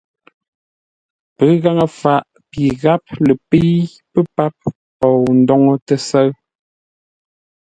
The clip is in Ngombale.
Pəghaŋə faʼ pi gháp lə pə́i pə́ páp pou ndóŋə́ tə́sə́ʉ.